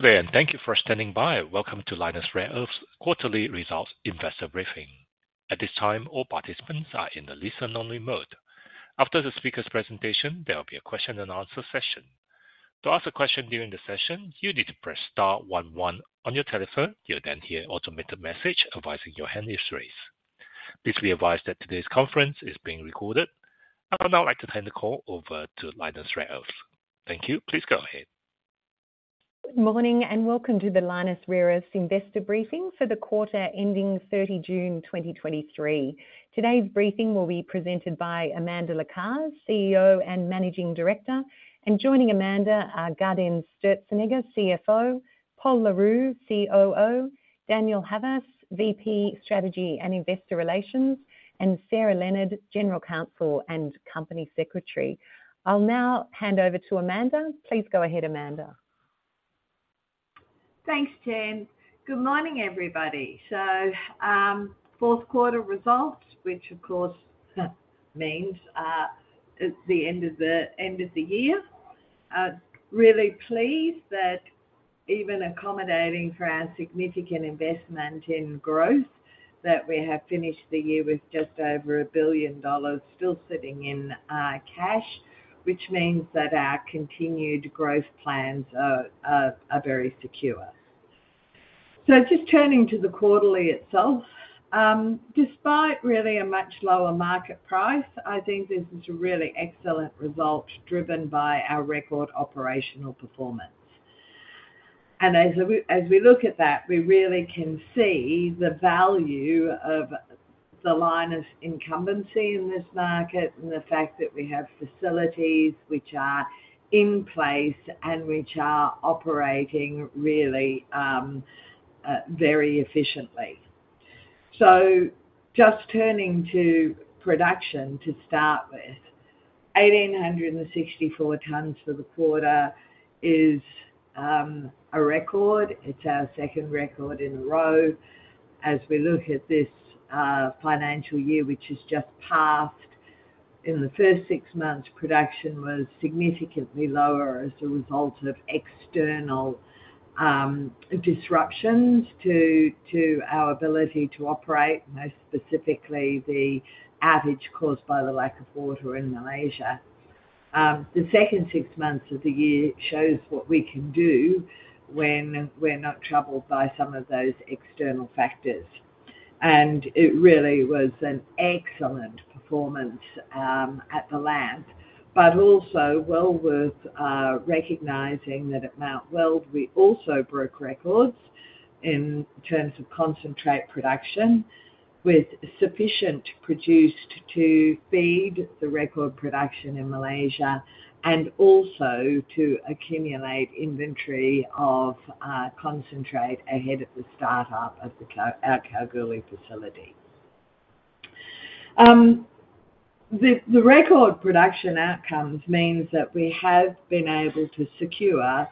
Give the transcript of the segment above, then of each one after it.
Good day, thank you for standing by. Welcome to Lynas Rare Earths' Quarterly Results Investor Briefing. At this time, all participants are in a listen-only mode. After the speaker's presentation, there will be a question and answer session. To ask a question during the session, you need to press star one one on your telephone. You'll then hear an automated message advising your hand is raised. Please be advised that today's conference is being recorded. I would now like to turn the call over to Lynas Rare Earths. Thank you. Please go ahead. Good morning, and welcome to the Lynas Rare Earths' investor briefing for the quarter ending 30 June, 2023. Today's briefing will be presented by Amanda Lacaze, CEO and Managing Director. Joining Amanda are Gaudenz Sturzenegger, CFO, Pol Le Roux, COO, Daniel Havas, VP Strategy and Investor Relations, and Sarah Leonard, General Counsel and Company Secretary. I'll now hand over to Amanda. Please go ahead, Amanda. Thanks, Jen. Good morning, everybody. Q4 results, which, of course, means it's the end of the year. I'm really pleased that even accommodating for our significant investment in growth, that we have finished the year with just over 1 billion dollars still sitting in cash, which means that our continued growth plans are very secure. Just turning to the quarterly itself, despite really a much lower market price, I think this is a really excellent result, driven by our record operational performance. As we look at that, we really can see the value of the Lynas incumbency in this market and the fact that we have facilities which are in place and which are operating really very efficiently. Just turning to production to start with. 1,864 tonnes for the quarter is a record. It's our second record in a row. As we look at this financial year, which has just passed, in the first 6 months, production was significantly lower as a result of external disruptions to our ability to operate, most specifically the outage caused by the lack of water in Malaysia. The second 6 months of the year shows what we can do when we're not troubled by some of those external factors. It really was an excellent performance at the plant, but also well worth recognizing that at Mount Weld, we also broke records in terms of concentrate production, with sufficient produced to feed the record production in Malaysia and also to accumulate inventory of concentrate ahead of the startup of our Kalgoorlie facility. The record production outcomes means that we have been able to secure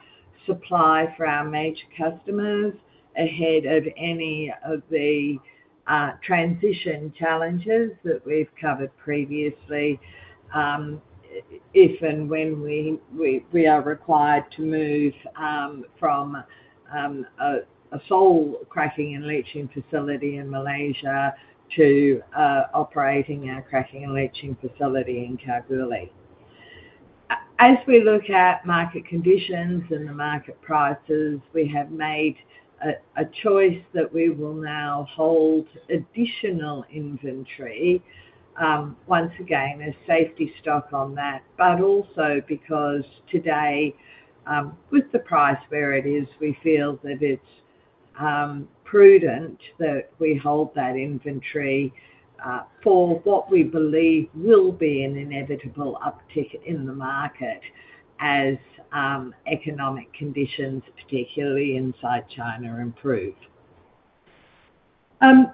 supply for our major customers ahead of any of the transition challenges that we've covered previously, if and when we are required to move from a sole cracking and leaching facility in Malaysia to operating our cracking and leaching facility in Kalgoorlie. As we look at market conditions and the market prices, we have made a choice that we will now hold additional inventory, once again, as safety stock on that, but also because today, with the price where it is, we feel that it's prudent that we hold that inventory for what we believe will be an inevitable uptick in the market as economic conditions, particularly inside China, improve.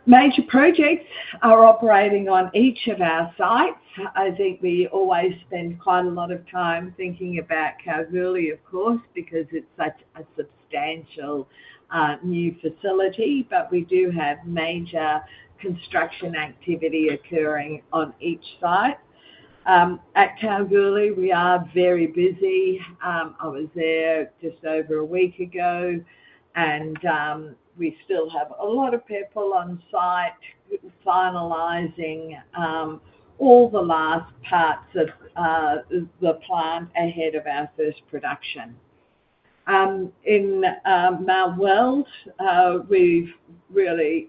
Major projects are operating on each of our sites. I think we always spend quite a lot of time thinking about Kalgoorlie, of course, because it's such a substantial new facility. We do have major construction activity occurring on each site. At Kalgoorlie, we are very busy. I was there just over a week ago, and we still have a lot of people on site finalizing all the last parts of the plant ahead of our first production. In Mount Weld, we've really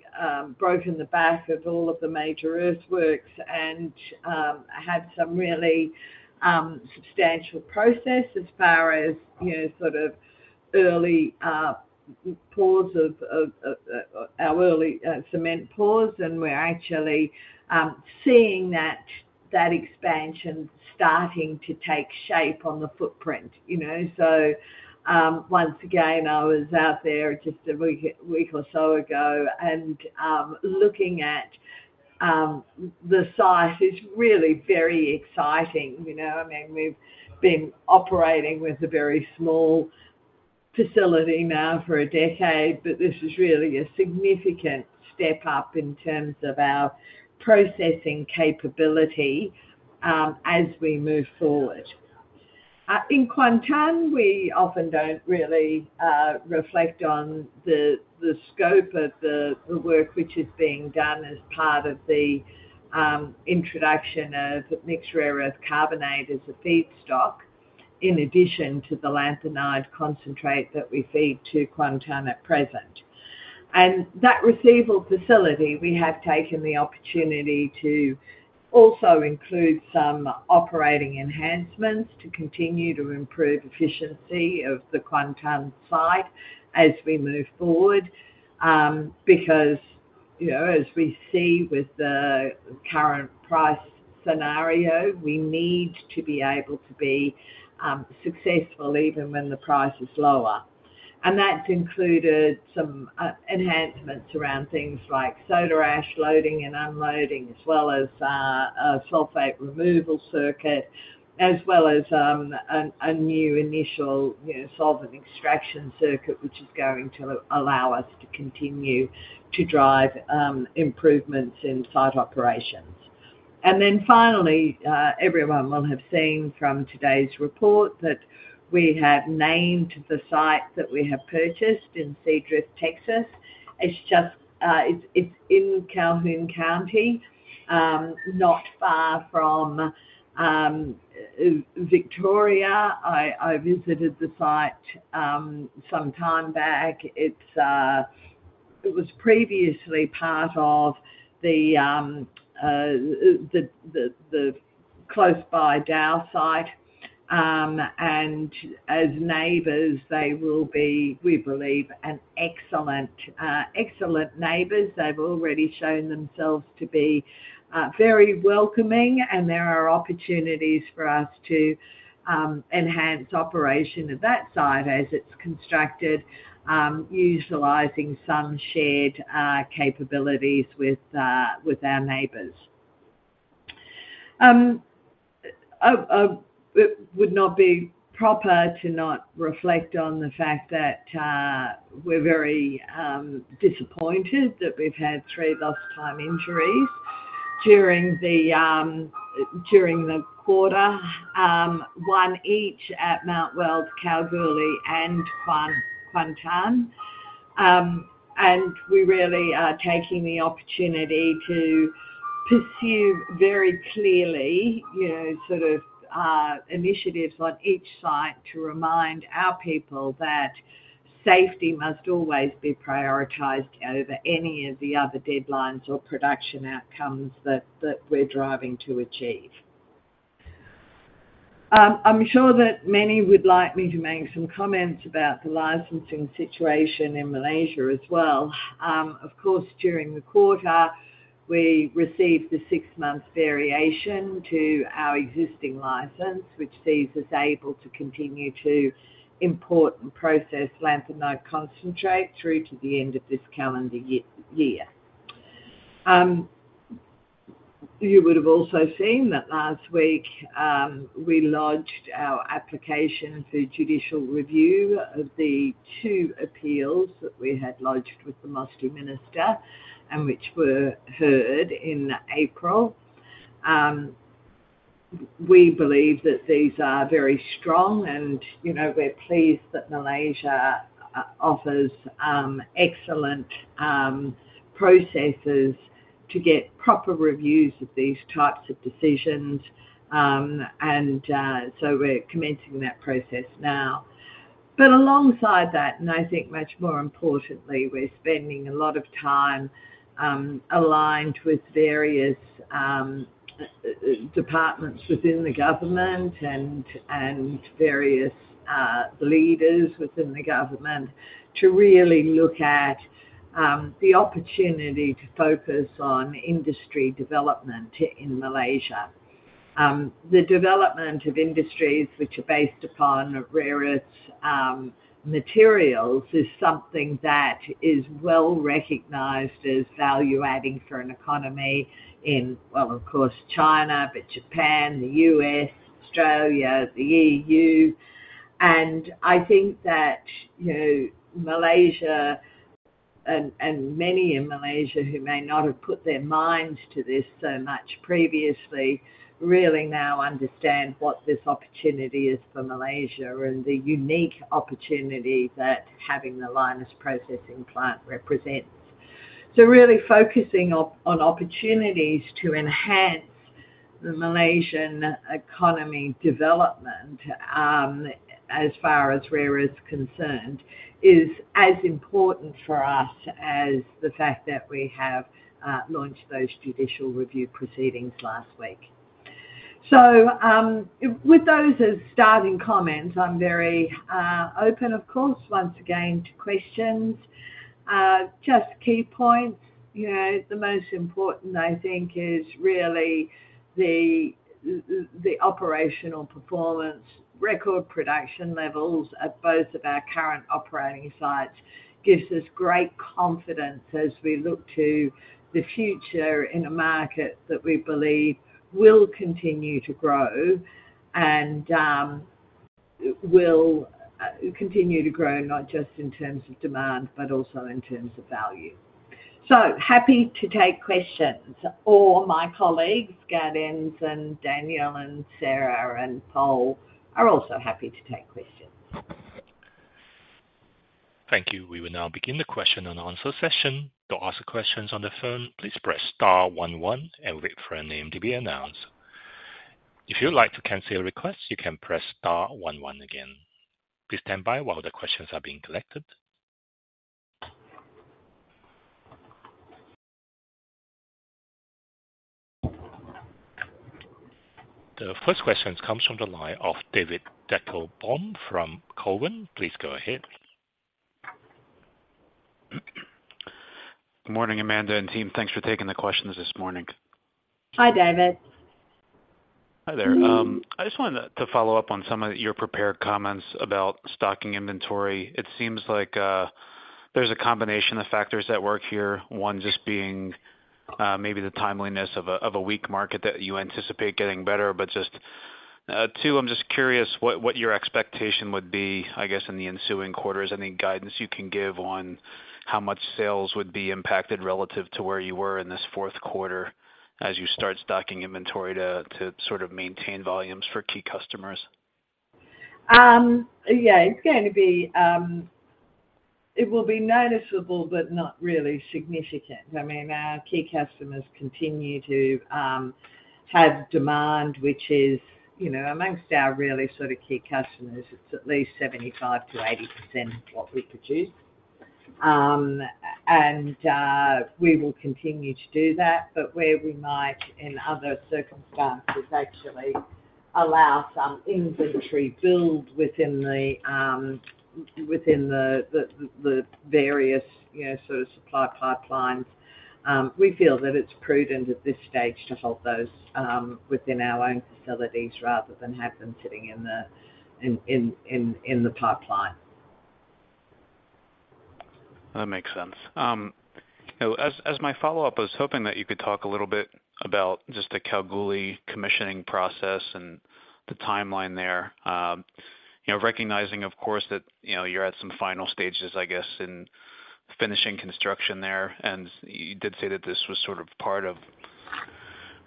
broken the back of all of the major earthworks and had some really substantial progress as far as, you know, sort of early pours, our early cement pours, and we're actually seeing that, that expansion starting to take shape on the footprint, you know? Once again, I was out there just a week or so ago, and looking at, the site is really very exciting. You know, I mean, we've been operating with a very small facility now for a decade, but this is really a significant step up in terms of our processing capability, as we move forward. In Kuantan, we often don't really reflect on the scope of the work which is being done as part of the introduction of mixed rare earth carbonate as a feedstock, in addition to the lanthanide concentrate that we feed to Kuantan at present. That receival facility, we have taken the opportunity to also include some operating enhancements to continue to improve efficiency of the Kuantan site as we move forward. Because as we see with the current price scenario, we need to be able to be successful even when the price is lower. That's included some enhancements around things like soda ash loading and unloading, as well as a sulfate removal circuit, as well as a new initial solvent extraction circuit, which is going to allow us to continue to drive improvements in site operations. Finally, everyone will have seen from today's report that we have named the site that we have purchased in Seadrift, Texas. It's just, it's in Calhoun County, not far from Victoria. I visited the site some time back. It was previously part of the close by Dow site. As neighbors, they will be, we believe, an excellent, excellent neighbors. They've already shown themselves to be very welcoming, and there are opportunities for us to enhance operation at that site as it's constructed, utilizing some shared capabilities with our neighbors. It would not be proper to not reflect on the fact that we're very disappointed that we've had three lost time injuries during the during the quarter. One each at Mount Weld, Kalgoorlie, and Kuantan. We really are taking the opportunity to pursue very clearly initiatives on each site to remind our people that safety must always be prioritized over any of the other deadlines or production outcomes that, that we're driving to achieve. I'm sure that many would like me to make some comments about the licensing situation in Malaysia as well. Of course, during the quarter, we received the six-month variation to our existing license, which sees us able to continue to import and process lanthanide concentrate through to the end of this calendar year. You would have also seen that last week, we lodged our application for judicial review of the two appeals that we had lodged with the Ministry Minister and which were heard in April. We believe that these are very strong, and, you know, we're pleased that Malaysia offers excellent processes to get proper reviews of these types of decisions. And so we're commencing that process now. Alongside that, and I think much more importantly, we're spending a lot of time aligned with various departments within the government and various leaders within the government to really look at the opportunity to focus on industry development in Malaysia. The development of industries which are based upon rare earth materials is something that is well-recognized as value-adding for an economy in, well, of course, China, but Japan, the U.S., Australia, the EU. I think that, you know, Malaysia, and many in Malaysia who may not have put their minds to this so much previously, really now understand what this opportunity is for Malaysia and the unique opportunity that having the Lynas processing plant represents. Really focusing on, on opportunities to enhance the Malaysian economy development, as far as rare is concerned, is as important for us as the fact that we have launched those judicial review proceedings last week. With those as starting comments, I'm very open, of course, once again, to questions. Just key points, you know, the most important, I think, is really the operational performance. Record production levels at both of our current operating sites gives us great confidence as we look to the future in a market that we believe will continue to grow and will continue to grow, not just in terms of demand, but also in terms of value. Happy to take questions, or my colleagues, Gaudenz, and Daniel, and Sarah, and Paul are also happy to take questions. Thank you. We will now begin the question and answer session. To ask questions on the phone, please press star one one and wait for your name to be announced. If you'd like to cancel a request, you can press star one one again. Please stand by while the questions are being collected. The first question comes from the line of David Deckelbaum from Cowen. Please go ahead. Good morning, Amanda and team. Thanks for taking the questions this morning. Hi, David. Hi there. I just wanted to, to follow up on some of your prepared comments about stocking inventory. It seems like there's a combination of factors at work here, one just being, maybe the timeliness of a, of a weak market that you anticipate getting better. Just, two, I'm just curious what, what your expectation would be, I guess, in the ensuing quarters? Any guidance you can give on how much sales would be impacted relative to where you were in this Q4 as you start stocking inventory to, to sort of maintain volumes for key customers? Yeah, it will be noticeable, but not really significant. I mean, our key customers continue to have demand, which is, you know, amongst our really sort of key customers, it's at least 75%-80% of what we produce. We will continue to do that, but where we might, in other circumstances, actually allow some inventory build within the, within the, the, the various, you know, sort of supply pipelines. We feel that it's prudent at this stage to hold those within our own facilities rather than have them sitting in the pipeline. That makes sense. You know, as, as my follow-up, I was hoping that you could talk a little bit about just the Kalgoorlie commissioning process and the timeline there. You know, recognizing, of course, that, you know, you're at some final stages, I guess, in finishing construction there, and you did say that this was sort of part of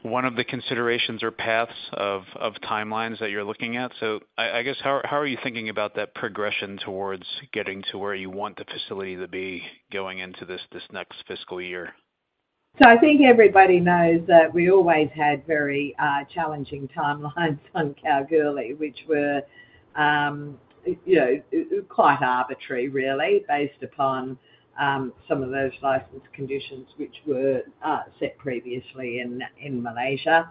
one of the considerations or paths of, of timelines that you're looking at. I, I guess, how, how are you thinking about that progression towards getting to where you want the facility to be going into this, this next fiscal year? I think everybody knows that we always had very challenging timelines on Kalgoorlie, which were, you know, quite arbitrary, really, based upon some of those license conditions which were set previously in Malaysia.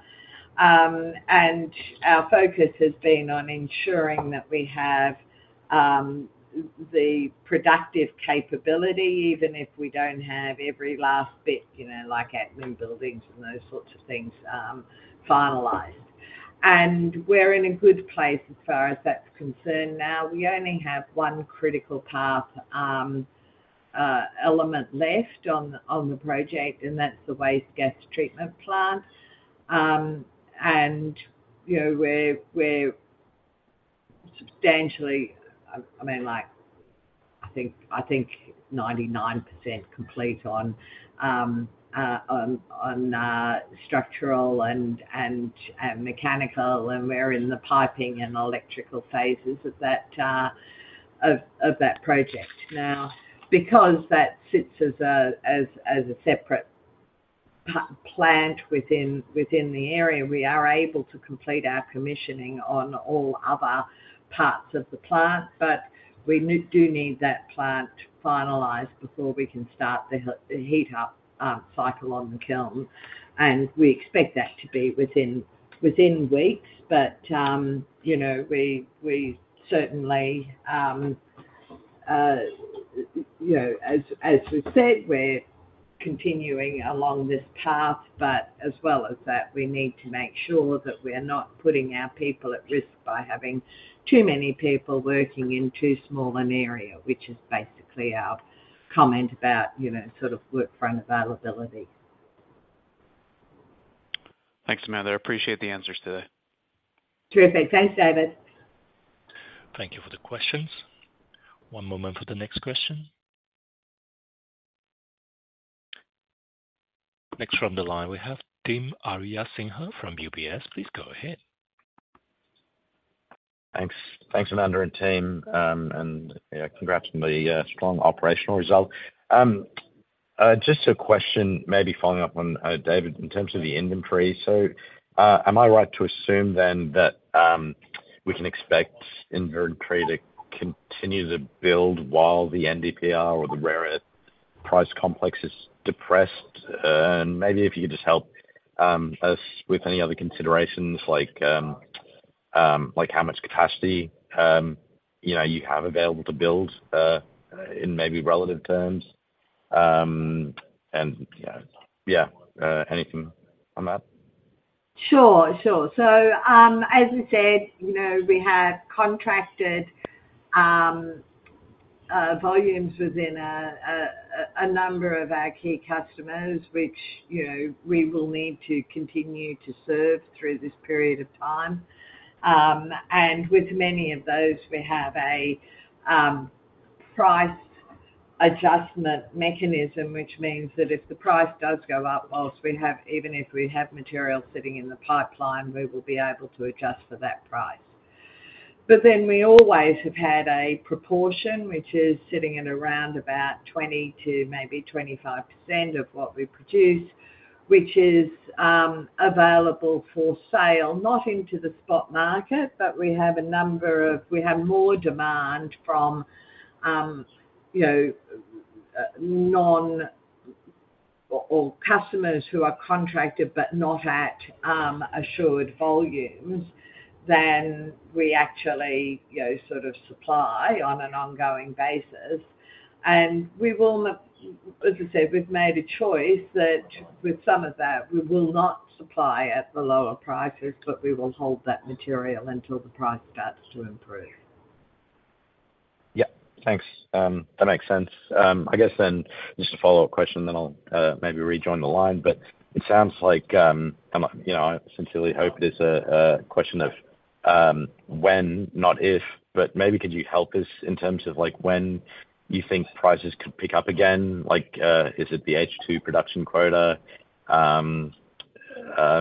And our focus has been on ensuring that we have the productive capability, even if we don't have every last bit, you know, like at new buildings and those sorts of things, finalized. And we're in a good place as far as that's concerned now. We only have one critical path element left on the project, and that's the waste gas treatment plant. You know, we're, we're substantially, I mean, like, I think, I think 99% complete on structural and mechanical, and we're in the piping and electrical phases of that project. Now, because that sits as a, as, as a separate plant within, within the area, we are able to complete our commissioning on all other parts of the plant, but we do need that plant finalized before we can start the heat up cycle on the kiln. We expect that to be within, within weeks, but, you know, we, we certainly, you know, as, as we've said, we're continuing along this path, but as well as that, we need to make sure that we're not putting our people at risk by having too many people working in too small an area, which is basically our comment about, you know, sort of workforce availability. Thanks, Amanda. I appreciate the answers today. Terrific. Thanks, David. Thank you for the questions. One moment for the next question. Next from the line, we have Dim Ariyasinghe from UBS. Please go ahead. Thanks. Thanks, Amanda and team. Yeah, congrats on the strong operational result. Just a question, maybe following up on David, in terms of the inventory: Am I right to assume then that we can expect inventory to continue to build while the NDPR or the rare earth price complex is depressed? Maybe if you could just help us with any other considerations, like how much capacity, you know, you have available to build in maybe relative terms, and, yeah, anything on that? Sure, sure. As we said, you know, we have contracted volumes within a number of our key customers, which, you know, we will need to continue to serve through this period of time. With many of those, we have a price-... adjustment mechanism, which means that if the price does go up whilst we have, even if we have material sitting in the pipeline, we will be able to adjust for that price. Then we always have had a proportion which is sitting at around about 20% to maybe 25% of what we produce, which is available for sale, not into the spot market, but we have more demand from, you know, non or customers who are contracted but not at, assured volumes, than we actually, you know, sort of, supply on an ongoing basis. We will not, as I said, we've made a choice that with some of that, we will not supply at the lower prices, but we will hold that material until the price starts to improve. Yeah. Thanks. That makes sense. I guess then, just a follow-up question, then I'll maybe rejoin the line. It sounds like, you know, I sincerely hope there's a question of, when, not if, maybe could you help us in terms of, like, when you think prices could pick up again? Like, is it the H2 production quota?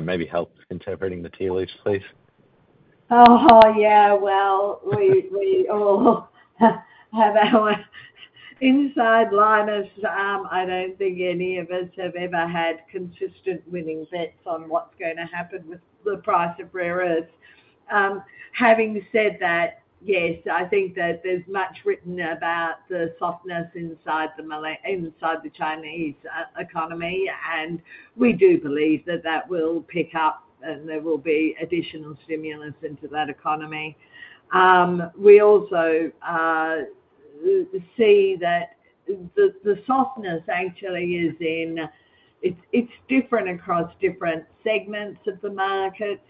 Maybe help interpreting the tea leaves, please. Oh, yeah. Well, we, we all have our inside liners. I don't think any of us have ever had consistent winning bets on what's gonna happen with the price of rare earths. Having said that, yes, I think that there's much written about the softness inside the Malay- inside the Chinese economy. We do believe that that will pick up, and there will be additional stimulus into that economy. We also see that the softness actually is in... It's, it's different across different segments of the market.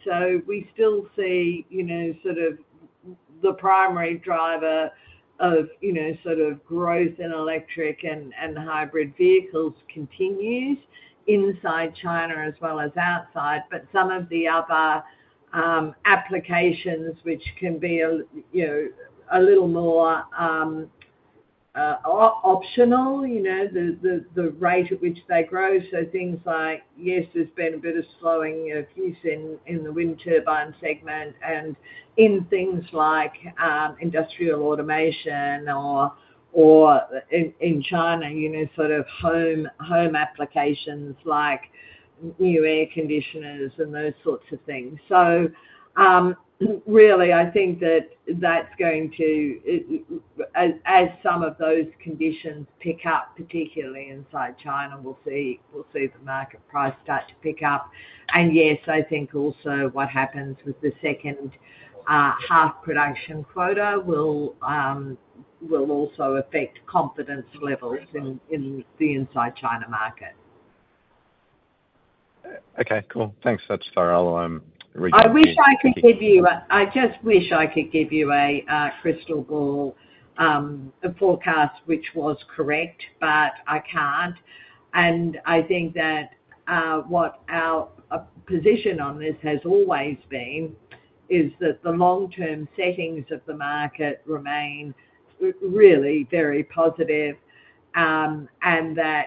We still see, you know, sort of the primary driver of, you know, sort of growth in electric and, and hybrid vehicles continues inside China as well as outside. Some of the other applications which can be you know, a little more optional, you know, the, the, the rate at which they grow. Things like, yes, there's been a bit of slowing of use in, in the wind turbine segment and in things like industrial automation or, or in, in China, you know, sort of home, home applications like new air conditioners and those sorts of things. Really, I think that that's going to as, as some of those conditions pick up, particularly inside China, we'll see, we'll see the market price start to pick up. Yes, I think also what happens with the second half production quota will also affect confidence levels in, in the inside China market. Okay, cool. Thanks. That's fair. I'll rejoin. I wish I could give you a, I just wish I could give you a, crystal ball, a forecast which was correct, but I can't. I think that, what our, position on this has always been, is that the long-term settings of the market remain r- really very positive. That,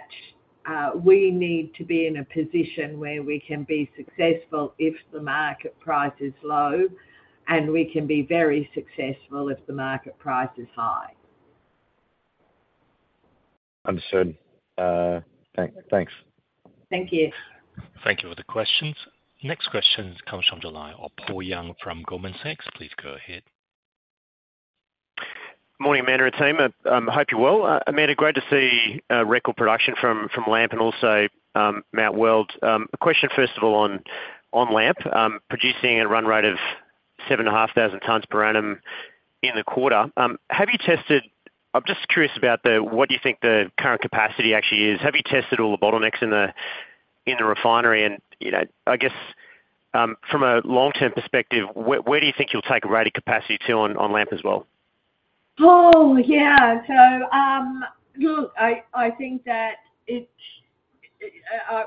we need to be in a position where we can be successful if the market price is low, and we can be very successful if the market price is high. Understood. Thanks. Thank you. Thank you for the questions. Next question comes from the line of Paul Young from Goldman Sachs. Please go ahead. Morning, Amanda and team. Hope you're well. Amanda, great to see record production from LAMP and also Mount Weld. A question, first of all, on LAMP. Producing a run rate of 7,500 tons per annum in the quarter. Have you tested-- I'm just curious about what you think the current capacity actually is. Have you tested all the bottlenecks in the refinery? And, you know, I guess, from a long-term perspective, where do you think you'll take rate of capacity to on LAMP as well? Oh, yeah. Look, I, I think that it's,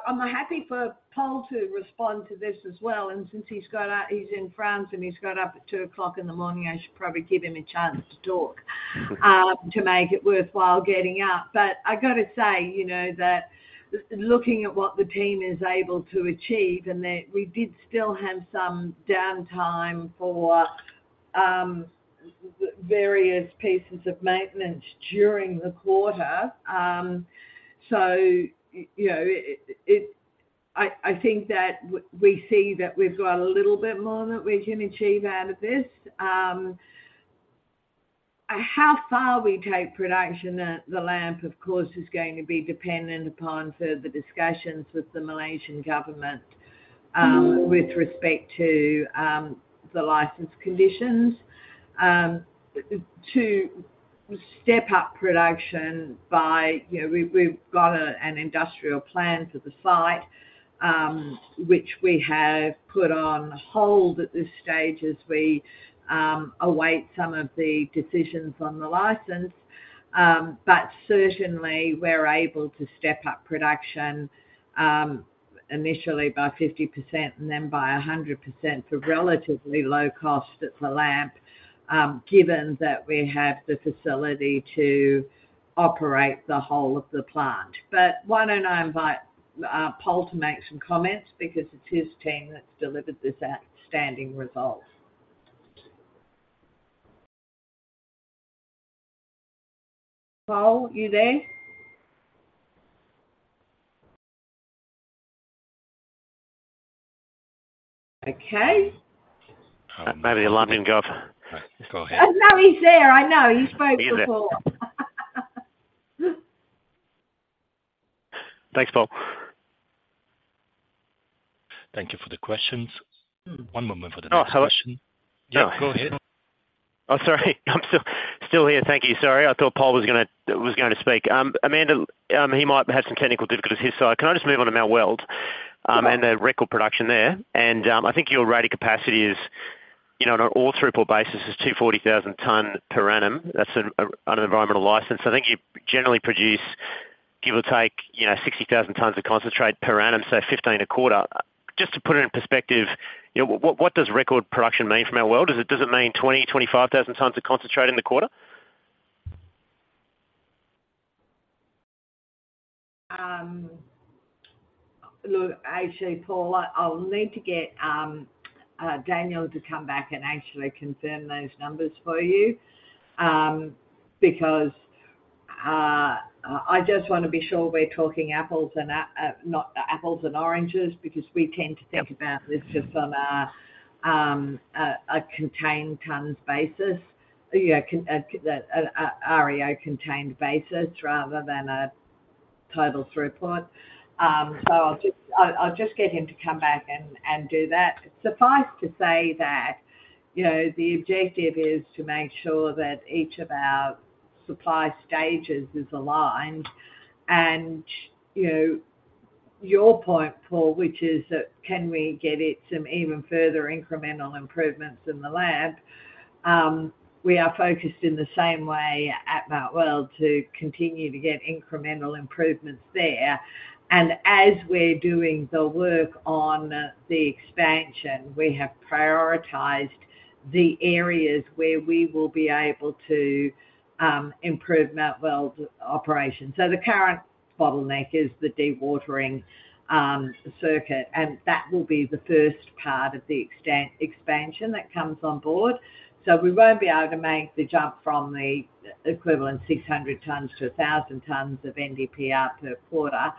I'm happy for Paul to respond to this as well, and since he's got up, he's in France, and he's got up at 2:00 in the morning, I should probably give him a chance to talk to make it worthwhile getting up. I got to say, you know, that looking at what the team is able to achieve, and that we did still have some downtime for various pieces of maintenance during the quarter. You know, it, I, I think that we see that we've got a little bit more that we can achieve out of this. How far we take production at the LAMP, of course, is going to be dependent upon further discussions with the Malaysian government with respect to the license conditions. To step up production by, you know, we've, we've got a, an industrial plan for the site, which we have put on hold at this stage as we await some of the decisions on the license. Certainly, we're able to step up production initially by 50%, and then by 100% for relatively low cost at the LAMP, given that we have the facility to operate the whole of the plant. Why don't I invite Paul to make some comments? Because it's his team that's delivered this outstanding result. Paul, are you there? Okay. Maybe the line didn't go up. Go ahead. Oh, no, he's there. I know. You spoke before. Thanks, Paul. Thank you for the questions. One moment for the next question. Oh, hello. Yeah, go ahead. Oh, sorry. I'm still, still here. Thank you. Sorry, I thought Paul was gonna speak. Amanda, he might have some technical difficulties his side. Can I just move on to Mount Weld? Sure. The record production there. I think your rated capacity is, you know, on an all throughput basis, is 240,000 ton per annum. That's under environmental license. I think you generally produce, give or take, you know, 60,000 tons of concentrate per annum, so 15 a quarter. Just to put it in perspective, you know, what, what does record production mean from Mount Weld? Does it, does it mean 20,000-25,000 tons of concentrate in the quarter? Look, actually, Paul, I, I'll need to get Daniel to come back and actually confirm those numbers for you. Because I, I just wanna be sure we're talking apples and oranges, because we tend to think about this just from a contained tons basis. Yeah, the REO contained basis rather than a total throughput. I'll just, I'll, I'll just get him to come back and, and do that. Suffice to say that, you know, the objective is to make sure that each of our supply stages is aligned. You know, your point, Paul, which is that, can we get it some even further incremental improvements in the lab? We are focused in the same way at Mount Weld to continue to get incremental improvements there. As we're doing the work on the expansion, we have prioritized the areas where we will be able to improve Mount Weld operations. The current bottleneck is the dewatering circuit, and that will be the first part of the expansion that comes on board. We won't be able to make the jump from the equivalent 600 tons to 1,000 tons of NDPR per quarter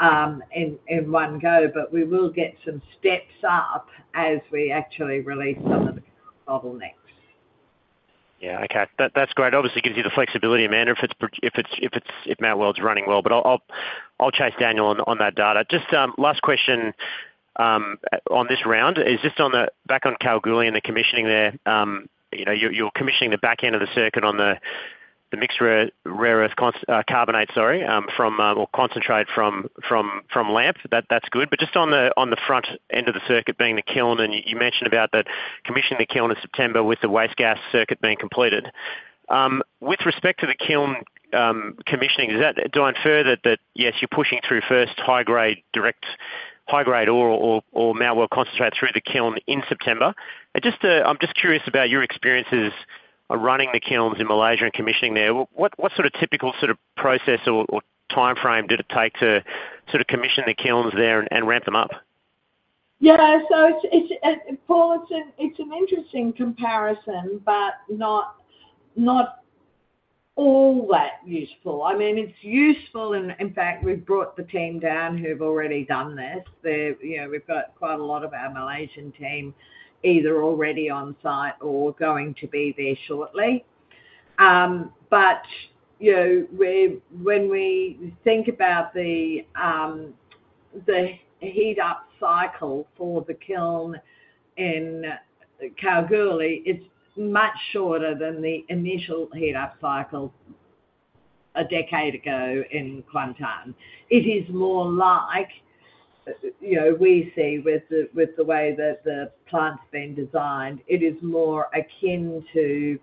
in one go, but we will get some steps up as we actually release some of the bottlenecks. Yeah. Okay. That's great. Obviously, it gives you the flexibility, Amanda, if Mount Weld's running well. I'll, I'll, I'll chase Daniel on that data. Just last question on this round is just on the back on Kalgoorlie and the commissioning there. You know, you're commissioning the back end of the circuit on the mixed rare earth carbonate, sorry, from or concentrate from LAMP. That's good. Just on the front end of the circuit being the kiln, and you mentioned about the commissioning the kiln in September with the waste gas circuit being completed. With respect to the kiln, commissioning, does that do I infer that, that, yes, you're pushing through first high grade, direct high grade ore or, or Mount Weld concentrate through the kiln in September? Just, I'm just curious about your experiences of running the kilns in Malaysia and commissioning there. What, what sort of typical sort of process or, or timeframe did it take to sort of commission the kilns there and, and ramp them up? So it's, it's, Paul, it's an, it's an interesting comparison, but not, not all that useful. I mean, it's useful, and, in fact, we've brought the team down who've already done this. They're, you know, we've got quite a lot of our Malaysian team either already on site or going to be there shortly. You know, when, when we think about the heat-up cycle for the kiln in Kalgoorlie, it's much shorter than the initial heat-up cycle a decade ago in Kuantan. It is more like, you know, we see with the, with the way that the plant's been designed, it is more akin to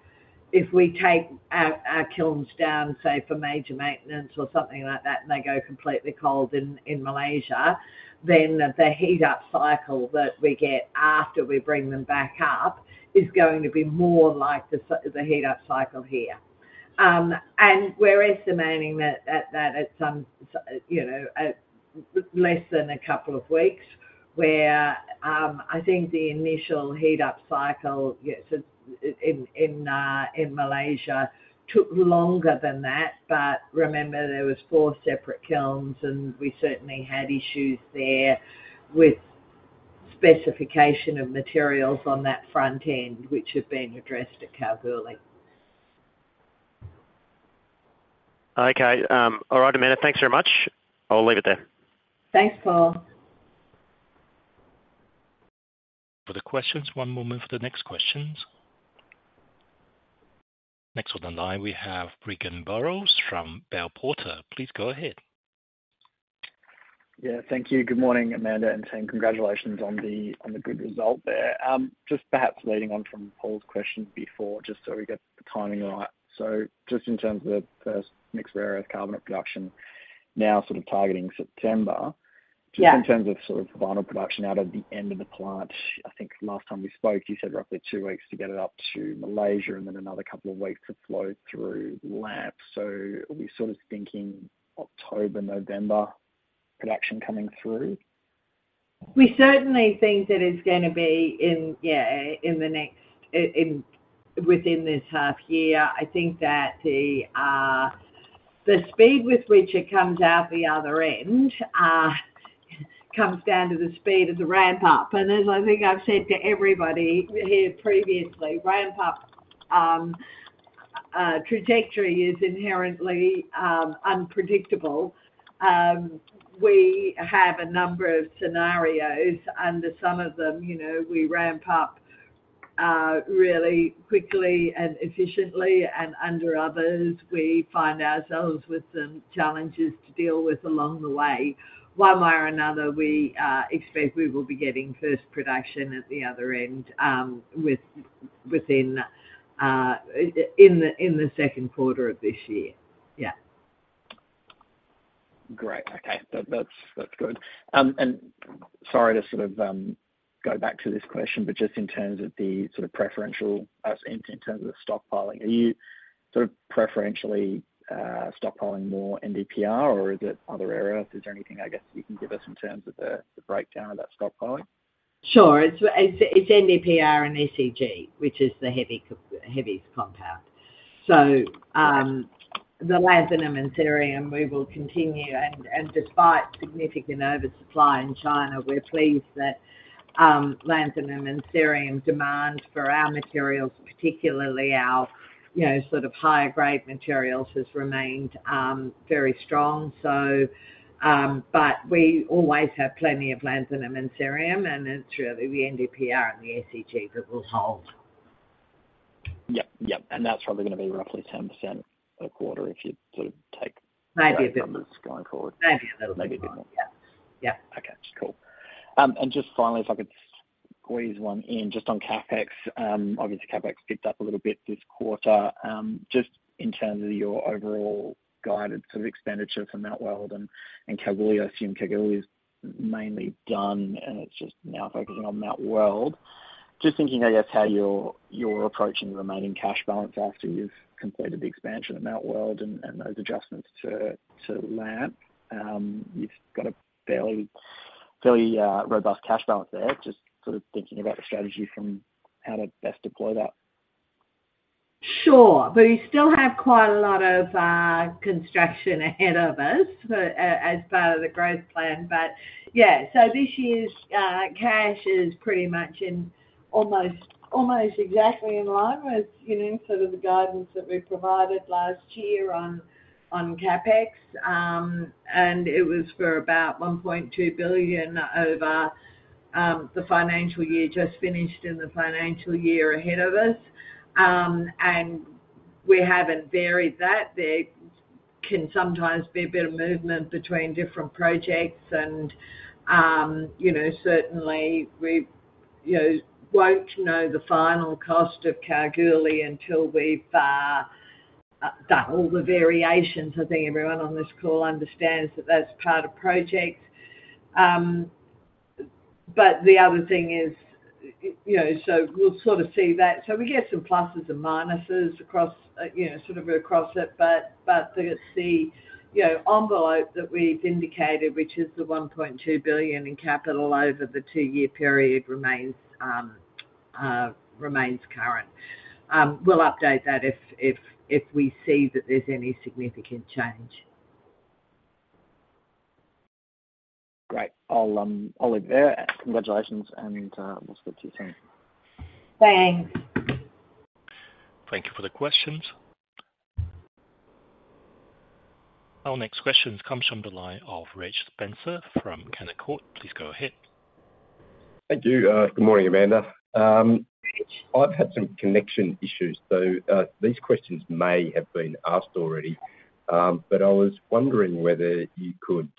if we take our, our kilns down, say, for major maintenance or something like that, and they go completely cold in, in Malaysia, then the heat-up cycle that we get after we bring them back up is going to be more like the heat-up cycle here. We're estimating that at, that at some, you know, at less than a couple of weeks, where, I think the initial heat-up cycle, yes, it, in, in, in Malaysia took longer than that. Remember, there was 4 separate kilns, and we certainly had issues there with specification of materials on that front end, which have been addressed at Kalgoorlie. Okay. All right, Amanda. Thanks very much. I'll leave it there. Thanks, Paul. For the questions. One moment for the next questions. Next on the line, we have Regan Burrows from Bell Potter. Please go ahead. Yeah, thank you. Good morning, Amanda, and team. Congratulations on the good result there. Just perhaps leading on from Paul's question before, just so we get the timing right. Just in terms of the mixed rare earth carbonate production now sort of targeting September. Yeah. Just in terms of sort of final production out of the end of the plant, I think last time we spoke, you said roughly 2 weeks to get it up to Malaysia, and then another 2 weeks to flow through LAMP. Are we sort of thinking October, November production coming through? We certainly think that it's gonna be in, yeah, in the next, in, within this half year. I think that the speed with which it comes out the other end, comes down to the speed of the ramp up. As I think I've said to everybody here previously, ramp up trajectory is inherently unpredictable. We have a number of scenarios. Under some of them, you know, we ramp up really quickly and efficiently, and under others, we find ourselves with some challenges to deal with along the way. One way or another, we expect we will be getting first production at the other end, within, in the, in the Q2 of this year. Yeah. Great. Okay. That, that's, that's good. Sorry to sort of go back to this question, but just in terms of the sort of preferential, in terms of the stockpiling. Are you sort of preferentially stockpiling more NDPR, or is it other areas? Is there anything, I guess, you can give us in terms of the breakdown of that stockpiling? Sure. It's, it's, it's NDPR and SEG, which is the heaviest compound. The lanthanum and cerium, we will continue, despite significant oversupply in China, we're pleased that lanthanum and cerium demand for our materials, particularly our, you know, sort of higher-grade materials, has remained very strong. We always have plenty of lanthanum and cerium, it's really the NDPR and the SEG that will hold. Yep. Yep, that's probably gonna be roughly 10% per quarter if you sort of take- Maybe a bit more. going forward. Maybe a little bit more. Maybe a bit more. Yeah. Yep. Okay, cool. Just finally, if I could squeeze one in, just on CapEx. Obviously, CapEx picked up a little bit this quarter. Just in terms of your overall guidance for the expenditure from Mount Weld and Kalgoorlie. I assume Kalgoorlie is mainly done, and it's just now focusing on Mount Weld. Just thinking, I guess, how you're, you're approaching the remaining cash balance after you've completed the expansion of Mount Weld and those adjustments to LAMP. You've got a fairly, fairly robust cash balance there. Just sort of thinking about the strategy from how to best deploy that. We still have quite a lot of construction ahead of us, so, as part of the growth plan. This year's cash is pretty much in almost, almost exactly in line with the guidance that we provided last year on CapEx. It was for about 1.2 billion over the financial year just finished and the financial year ahead of us. We haven't varied that. There can sometimes be a bit of movement between different projects and, certainly we won't know the final cost of Kalgoorlie until we've done all the variations. I think everyone on this call understands that that's part of project. The other thing is, so we'll see that. We get some pluses and minuses across, you know, sort of across it, but, but the, you know, envelope that we've indicated, which is the $1.2 billion in capital over the two-year period, remains, remains current. We'll update that if, if, if we see that there's any significant change. Great. I'll, I'll leave it there. Congratulations, and, we'll speak to you soon. Thanks. Thank you for the questions. Our next question comes from the line of Reg Spencer from Canaccord. Please go ahead. Thank you. Good morning, Amanda. I've had some connection issues, so these questions may have been asked already. But I was wondering whether you could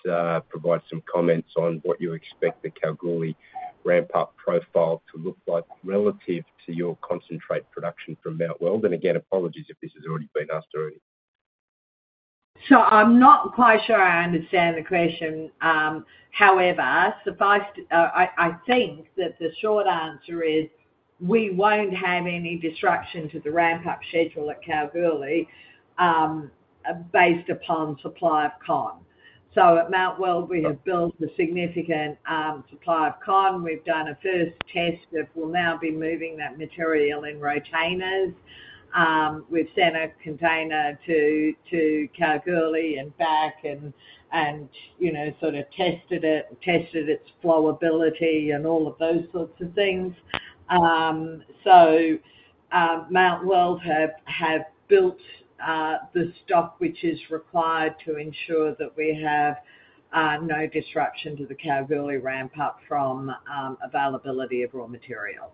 provide some comments on what you expect the Kalgoorlie ramp-up profile to look like relative to your concentrate production from Mount Weld. Again, apologies if this has already been asked earlier. I'm not quite sure I understand the question. However, suffice to... I, I think that the short answer is: we won't have any disruption to the ramp-up schedule at Kalgoorlie, based upon supply of concentrate. At Mount Weld, we have built a significant supply of concentrate. We've done a first test that will now be moving that material in rotainers. We've sent a container to, to Kalgoorlie and back and, and, you know, sort of tested it, tested its flowability and all of those sorts of things. Mount Weld have, have built the stock which is required to ensure that we have no disruption to the Kalgoorlie ramp-up from availability of raw material.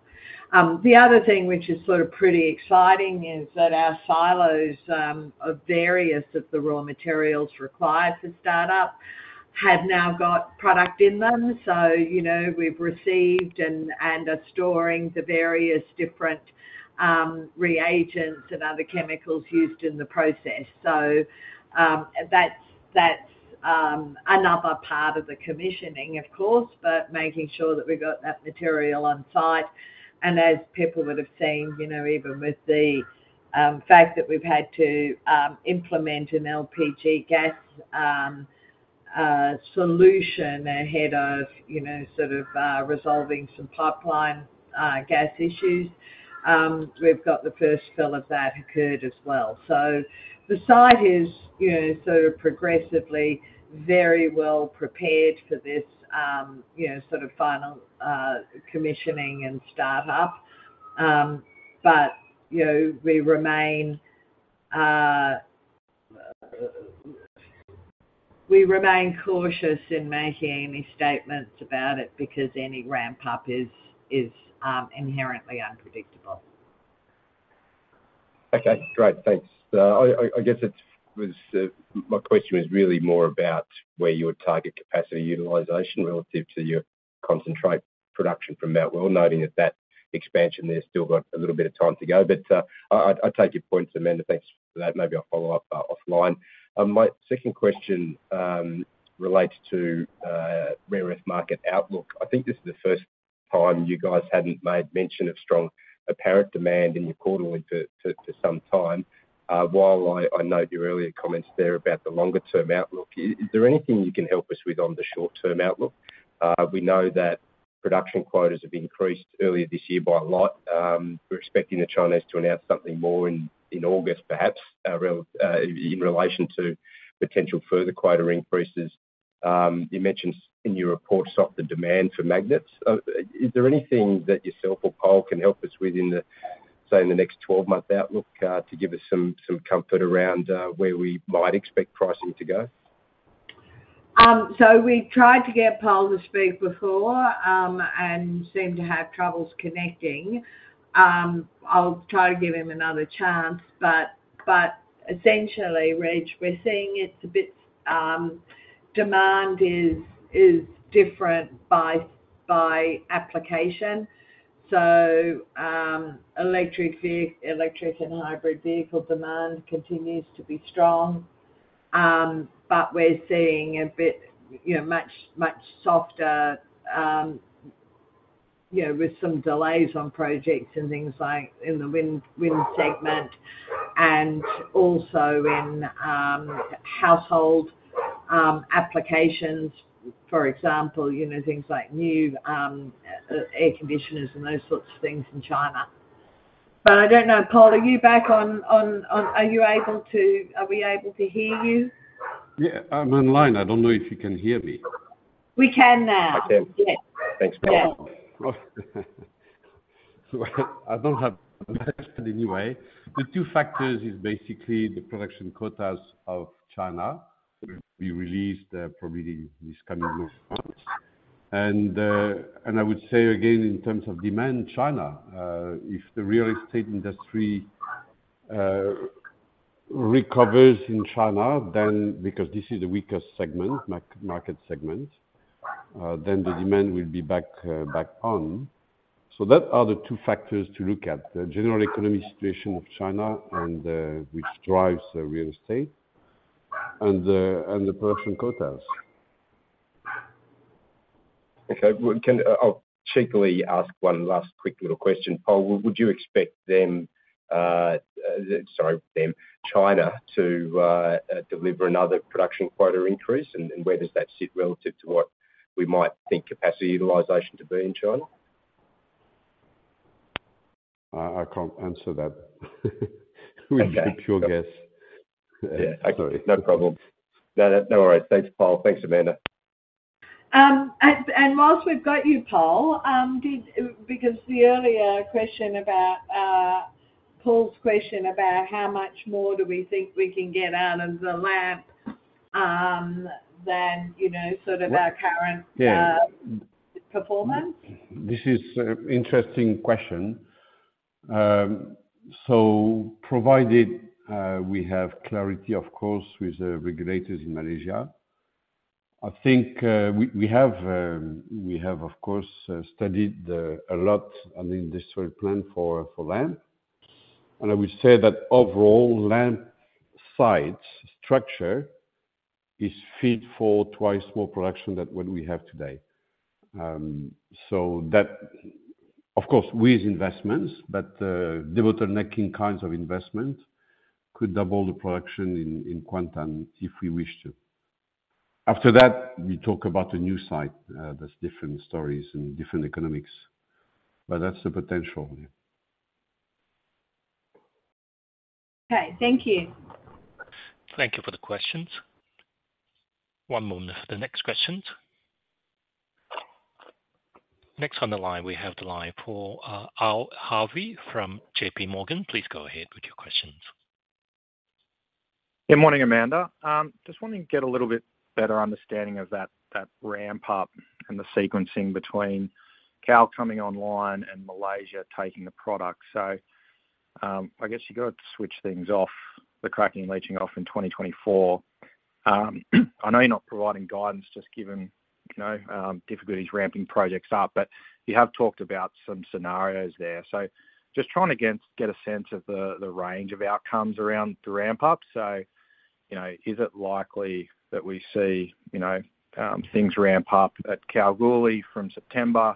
The other thing, which is pretty exciting, is that our silos of various of the raw materials required for start-up have now got product in them. You know, we've received and, and are storing the various different reagents and other chemicals used in the process. That's, that's another part of the commissioning, of course, but making sure that we've got that material on site. As people would have seen, you know, even with the fact that we've had to implement an LPG gas solution ahead of resolving some pipeline gas issues, we've got the first fill of that occurred as well. The site is, you know, progressively very well prepared for this, you know, final commissioning and startup. You know, we remain, we remain cautious in making any statements about it because any ramp-up is, is, inherently unpredictable. Okay, great. Thanks. I, I, I guess my question was really more about where your target capacity utilization relative to your concentrate production from that. Well, noting that, that expansion there still got a little bit of time to go, but I, I, I take your point, Amanda. Thanks for that. Maybe I'll follow up offline. My second question relates to rare earth market outlook. I think this is the first time you guys hadn't made mention of strong apparent demand in your quarterly for, for, for some time. While I, I note your earlier comments there about the longer-term outlook, is, is there anything you can help us with on the short-term outlook? We know that production quotas have increased earlier this year by a lot. We're expecting the Chinese to announce something more in, in August, perhaps, in relation to potential further quota increases. You mentioned in your report soft the demand for magnets. Is there anything that yourself or Paul can help us with in the, say, in the next 12-month outlook, to give us some, some comfort around, where we might expect pricing to go? We tried to get Paul to speak before, and seemed to have troubles connecting. I'll try to give him another chance, but, but essentially, Rich, we're seeing it's a bit, demand is, is different by, by application. Electric ve- electric and hybrid vehicle demand continues to be strong. We're seeing a bit, you know, much, much softer, you know, with some delays on projects and things like in the wind, wind segment, and also in household applications, for example, you know, things like new air conditioners and those sorts of things in China. I don't know, Paul, are you back on, on, on... Are you able to-- Are we able to hear you? Yeah, I'm online. I don't know if you can hear me. We can now. I can. Yeah. Thanks, Paul. I don't have anyway. The two factors is basically the production quotas of China will be released, probably this coming month, months. I would say again, in terms of demand, China, if the real estate industry recovers in China, then because this is the weakest segment, market segment, then the demand will be back, back on. That are the two factors to look at, the general economy situation of China and which drives the real estate, and the, and the production quotas. Okay. Well, can... I'll cheaply ask one last quick little question. Paul, would you expect them, sorry, them, China, to deliver another production quota increase? Where does that sit relative to what we might think capacity utilization to be in China? I can't answer that. Okay. It's a pure guess. Yeah. Sorry. No problems. No, no, no worries. Thanks, Paul. Thanks, Amanda. Whilst we've got you, Pol, because the earlier question about, Paul's question about how much more do we think we can get out of the LAMP, than, you know, sort of our... Yeah... current performance? This is an interesting question. Provided we have clarity, of course, with the regulators in Malaysia, I think we, we have, we have, of course, studied a lot on the industrial plan for LAMP. I would say that overall LAMP site structure is fit for twice more production than what we have today. That, of course, with investments, but the bottlenecking kinds of investment could double the production in Kuantan, if we wish to. After that, we talk about a new site. That's different stories and different economics, but that's the potential. Okay. Thank you. Thank you for the questions. One moment for the next questions. Next on the line, we have the line, Paul, Al Harvey from JP Morgan. Please go ahead with your questions. Good morning, Amanda. Just wanting to get a little bit better understanding of that, that ramp up and the sequencing between CAL coming online and Malaysia taking the product. I guess you've got to switch things off, the cracking and leaching off in 2024. I know you're not providing guidance just given, you know, difficulties ramping projects up, but you have talked about some scenarios there. Just trying to get, get a sense of the, the range of outcomes around the ramp-up. You know, is it likely that we see, you know, things ramp up at Kalgoorlie from September?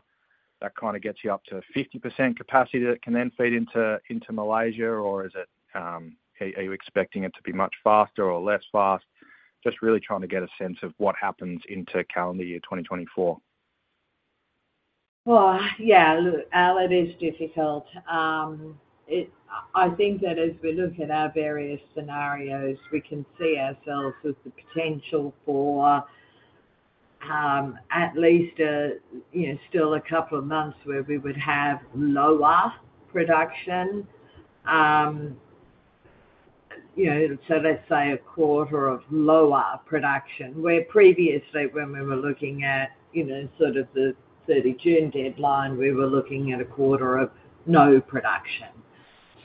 That kind of gets you up to 50% capacity that can then feed into, into Malaysia, or is it, are you expecting it to be much faster or less fast? Just really trying to get a sense of what happens into calendar year 2024. Well, yeah, look, Al, it is difficult. I think that as we look at our various scenarios, we can see ourselves with the potential for, at least, you know, still 2 months where we would have lower production. You know, so let's say a quarter of lower production, where previously, when we were looking at, you know, sort of the 30 June deadline, we were looking at a quarter of no production.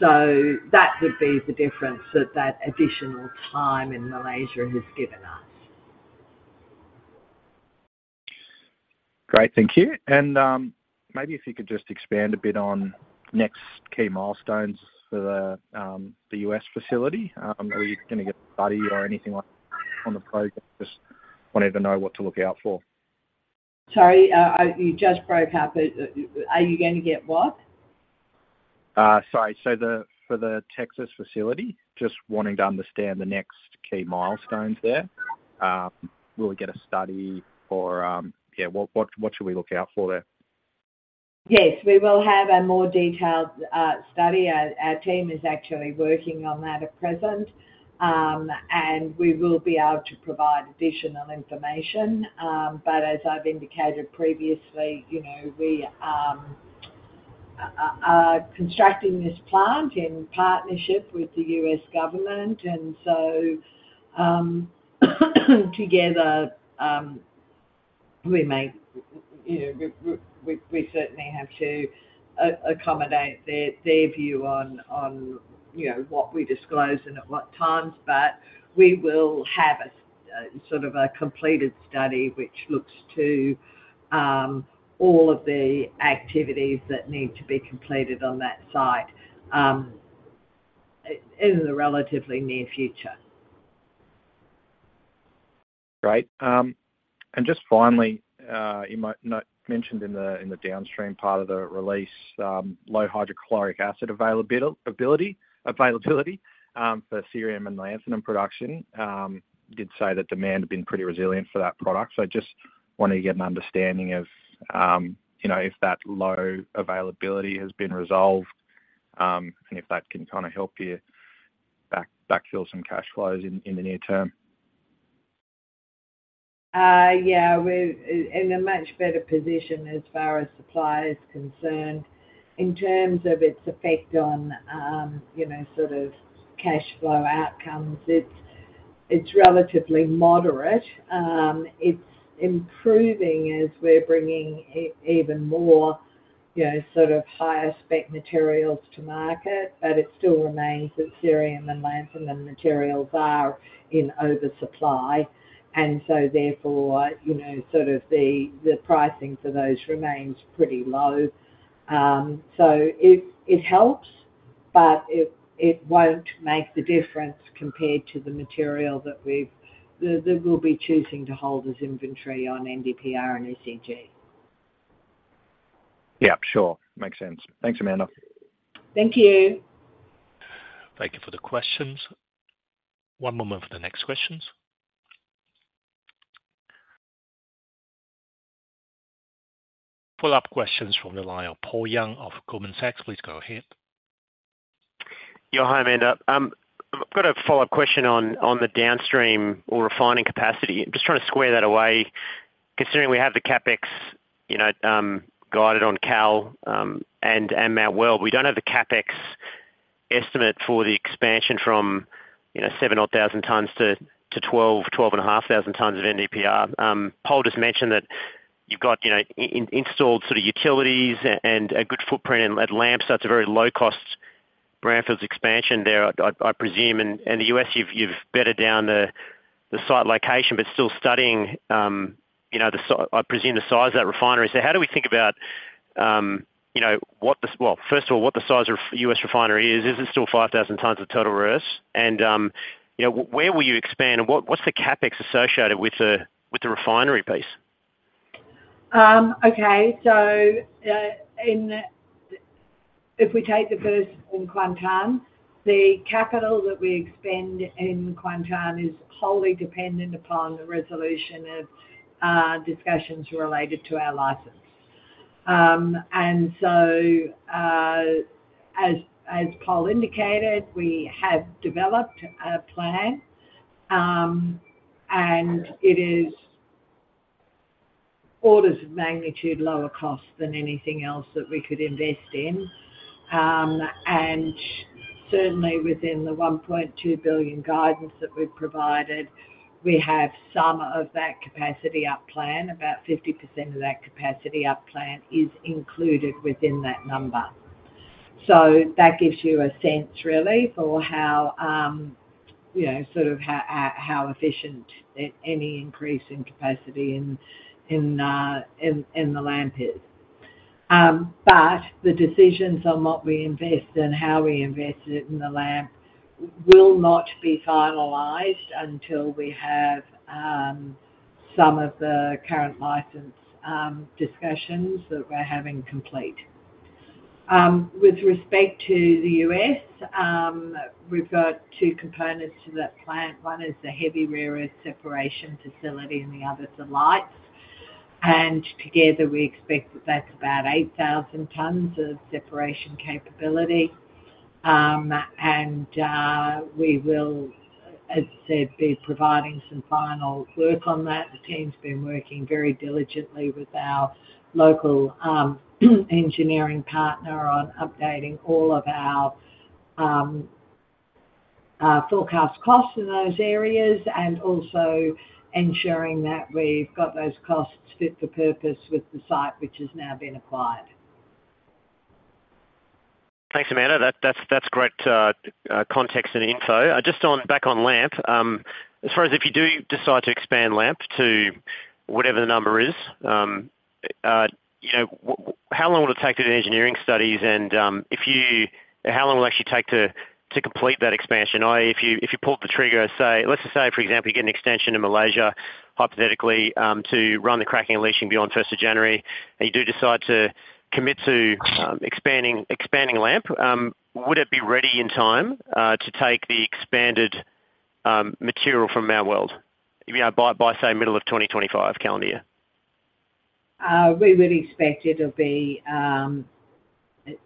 That would be the difference that that additional time in Malaysia has given us. Great. Thank you. Maybe if you could just expand a bit on next key milestones for the U.S. facility. Are you gonna get a study or anything like on the project? Just wanted to know what to look out for. Sorry, I... You just broke up. Are you going to get what? Sorry. The, for the Texas facility, just wanting to understand the next key milestones there. Will we get a study or, yeah, what, what, what should we look out for there? Yes, we will have a more detailed study. Our, our team is actually working on that at present. We will be able to provide additional information. As I've indicated previously, you know, we are constructing this plant in partnership with the U.S. government, and so together, we may, you know, we, we, we certainly have to accommodate their, their view on, on, you know, what we disclose and at what times. We will have a, sort of a completed study which looks to all of the activities that need to be completed on that site in the relatively near future. Great. Just finally, you might not-- mentioned in the, in the downstream part of the release, low hydrochloric acid availability for cerium and lanthanum production. Did say that demand had been pretty resilient for that product. Just wanted to get an understanding of, you know, if that low availability has been resolved, and if that can kind of help you back, backfill some cash flows in, in the near term. Yeah, we're in a much better position as far as supply is concerned. In terms of its effect on, you know, sort of cash flow outcomes, it's, it's relatively moderate. It's improving as we're bringing even more, you know, sort of higher-spec materials to market, but it still remains that cerium and lanthanum materials are in oversupply. So therefore, you know, sort of the, the pricing for those remains pretty low. So it, it helps, but it, it won't make the difference compared to the material that we've, that we'll be choosing to hold as inventory on NDPR and SEG. Yeah, sure. Makes sense. Thanks, Amanda. Thank you. Thank you for the questions. One moment for the next questions. Follow-up questions from the line of Paul Young of Goldman Sachs. Please go ahead. Yo, hi, Amanda. I've got a follow-up question on, on the downstream or refining capacity. Just trying to square that away, considering we have the CapEx guided on Cal and Mount Weld. We don't have the CapEx estimate for the expansion from 7,000 tons to 12,000-12,500 tons of NDPR. Paul just mentioned that you've got installed sort of utilities and a good footprint at LAMP. That's a very low-cost brownfields expansion there, I presume. The US, you've better down the site location, but still studying, I presume, the size of that refinery. How do we think about first of all, what the size of US refinery is? Is it still 5,000 tons of total reverse? You know, where will you expand, and what's the CapEx associated with the, with the refinery piece? Okay. In, if we take the first in Kuantan, the capital that we expend in Kuantan is wholly dependent upon the resolution of discussions related to our license. As, as Paul indicated, we have developed a plan, and it is orders of magnitude lower cost than anything else that we could invest in. You-... certainly within the $1.2 billion guidance that we've provided, we have some of that capacity up plan. About 50% of that capacity up plan is included within that number. That gives you a sense, really, for how, you know, sort of, how, how efficient any increase in capacity in, in, in, in the LAMP is. The decisions on what we invest and how we invest it in the LAMP will not be finalized until we have some of the current license discussions that we're having complete. With respect to the US, we've got two components to that plant. One is the heavy rare earth separation facility, and the other is the lights. Together, we expect that that's about 8,000 tons of separation capability. We will, as I said, be providing some final work on that. The team's been working very diligently with our local engineering partner on updating all of our forecast costs in those areas, and also ensuring that we've got those costs fit for purpose with the site which has now been acquired. Thanks, Amanda. That, that's, that's great context and info. Just on, back on LAMP. As far as if you do decide to expand LAMP to whatever the number is, you know, how long will it take to do the engineering studies? How long will it actually take to, to complete that expansion? If you, if you pulled the trigger, say, let's just say, for example, you get an extension in Malaysia, hypothetically, to run the cracking and leaching beyond 1st of January, you do decide to commit to expanding, expanding LAMP. Would it be ready in time to take the expanded material from Mount Weld? You know, by, by, say, middle of 2025 calendar year. We would expect it'll be,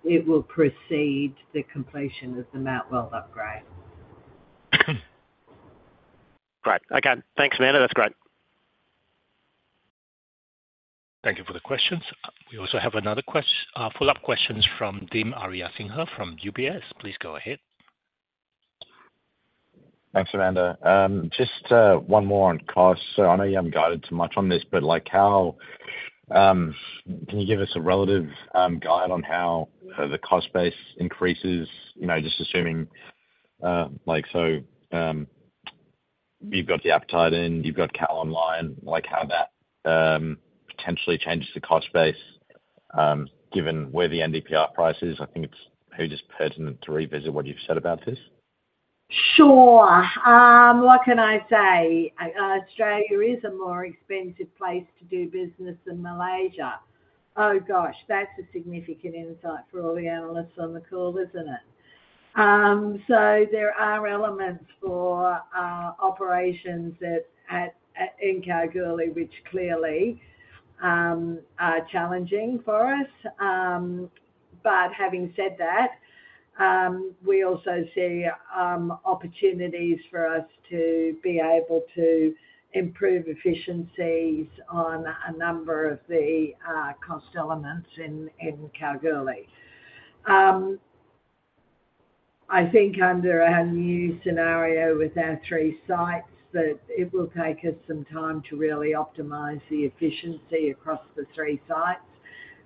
it will precede the completion of the Mount Weld upgrade. Great. Okay, thanks, Amanda. That's great. Thank you for the questions. We also have another quest- follow-up questions from Dim Ariyasinghe from UBS. Please go ahead. Thanks, Amanda. Just one more on cost. I know you haven't guided too much on this, but, like, how... can you give us a relative guide on how the cost base increases? You know, just assuming, like, so, you've got the appetite in, you've got Kalgoorlie online, like, how that potentially changes the cost base, given where the NDPR price is. I think it's pretty just pertinent to revisit what you've said about this. Sure. what can I say? Australia is a more expensive place to do business than Malaysia. Oh, gosh, that's a significant insight for all the analysts on the call, isn't it? There are elements for our operations at, at, at Kalgoorlie, which clearly, are challenging for us. Having said that, we also see opportunities for us to be able to improve efficiencies on a number of the cost elements in, in Kalgoorlie. I think under our new scenario with our three sites, that it will take us some time to really optimize the efficiency across the three sites.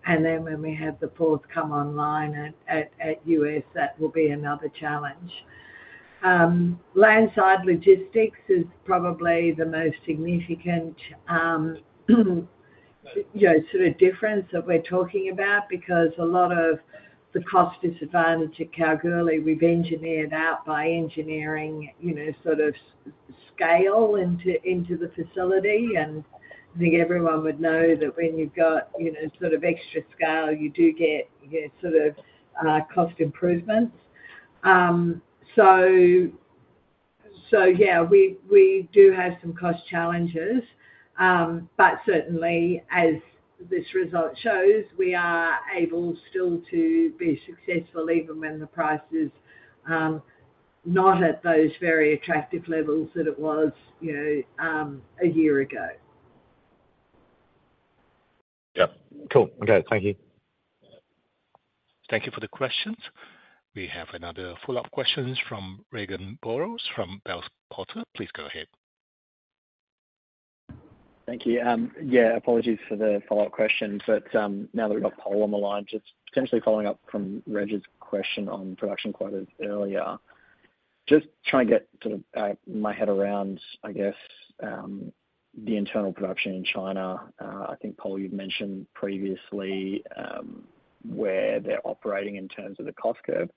When we have the fourth come online at, at, at US, that will be another challenge. Landside logistics is probably the most significant, you know, sort of, difference that we're talking about. Because a lot of the cost disadvantage at Kalgoorlie, we've engineered out by engineering, you know, sort of, scale into, into the facility. I think everyone would know that when you've got, you know, sort of, extra scale, you do get, you get, sort of, cost improvements. So yeah, we, we do have some cost challenges. Certainly, as this result shows, we are able still to be successful, even when the price is not at those very attractive levels that it was, you know, a year ago. Yep. Cool. Okay, thank you. Thank you for the questions. We have another follow-up questions from Regan Burrows from Bell Potter. Please go ahead. Thank you. Yeah, apologies for the follow-up questions, now that we've got Paul on the line, just potentially following up from Regan's question on production quotas earlier. Just trying to get, sort of, my head around, I guess, the internal production in China. I think, Paul, you've mentioned previously, where they're operating in terms of the cost curve.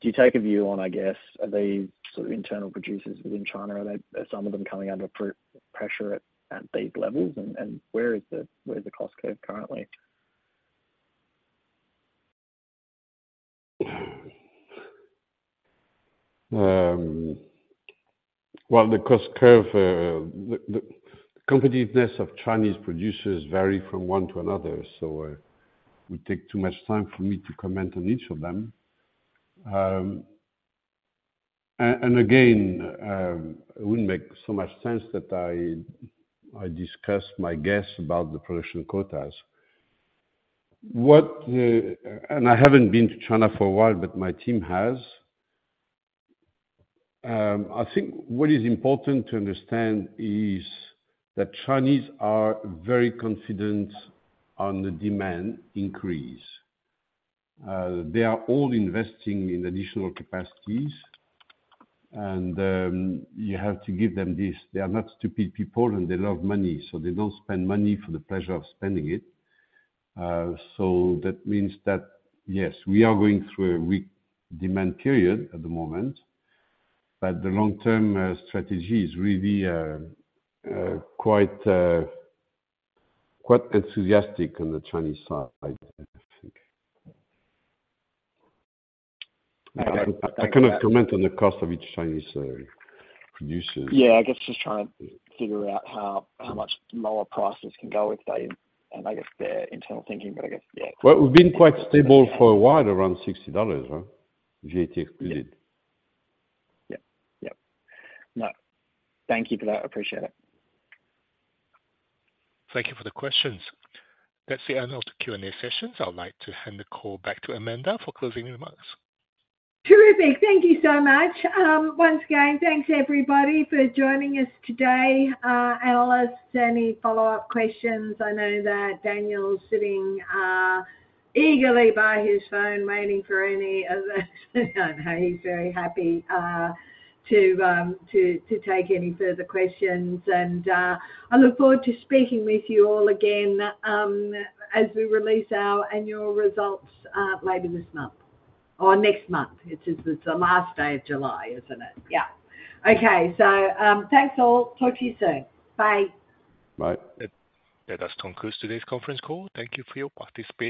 Do you take a view on, I guess, are they sort of, internal producers within China? Are some of them coming under pressure at these levels? Where is the, where is the cost curve currently? Well, the cost curve, the competitiveness of Chinese producers vary from 1 to another, so, it would take too much time for me to comment on each of them. Again, it wouldn't make so much sense that I discuss my guess about the production quotas. What, and I haven't been to China for a while, but my team has. I think what is important to understand is that Chinese are very confident on the demand increase. They are all investing in additional capacities, and you have to give them this. They are not stupid people, and they love money, so they don't spend money for the pleasure of spending it. That means that, yes, we are going through a weak demand period at the moment, but the long-term strategy is really quite enthusiastic on the Chinese side, I think. I, I cannot comment on the cost of each Chinese producer. Yeah, I guess just trying to figure out how, how much lower prices can go if they, and I guess their internal thinking, but I guess, yeah. Well, we've been quite stable for a while, around 60 dollars, huh? VAT included. Yep. Yep. No, thank you for that. I appreciate it. Thank you for the questions. That's the end of the Q&A sessions. I would like to hand the call back to Amanda for closing remarks. Terrific. Thank you so much. Once again, thanks everybody for joining us today. I'll ask any follow-up questions. I know that Daniel's sitting eagerly by his phone, waiting for any of us. I know he's very happy to take any further questions. I look forward to speaking with you all again as we release our annual results later this month or next month. It's just, it's the last day of July, isn't it? Yeah. Okay. Thanks all. Talk to you soon. Bye. Bye. That does conclude today's conference call. Thank you for your participation.